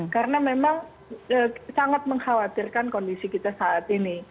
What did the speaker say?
karena memang sangat mengkhawatirkan kondisi kita saat ini